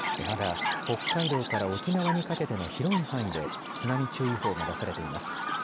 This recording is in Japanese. まだ、北海道から沖縄にかけての広い範囲で、津波注意報が出されています。